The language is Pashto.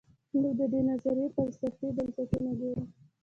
موږ د دې نظریې فلسفي بنسټونه ګورو.